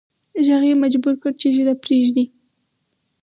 ږغ یې مجبور کړ چې ږیره پریږدي